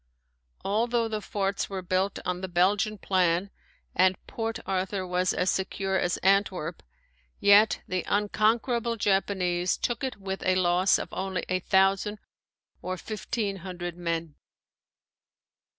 Although the forts were built on the Belgian plan and Port Arthur was as secure as Antwerp, yet the unconquerable Japanese took it with a loss of only a thousand or fifteen hundred men.